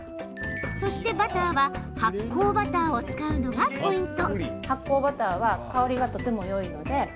そして、バターは発酵バターを使うのがポイント。